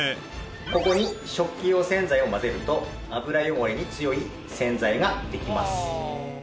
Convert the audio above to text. ここに食器用洗剤を混ぜると油汚れに強い洗剤ができます。